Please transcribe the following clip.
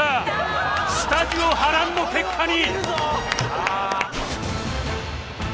スタジオ波乱の結果に！